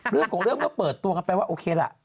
เรื่องของเรื่องเมื่อเปิดตัวกันไปว่าโอเคล่ะ